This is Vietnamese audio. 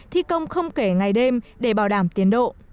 thi công không kể ngày đêm để bảo đảm tiến độ